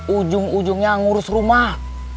ujung ujungnya ngurus rumah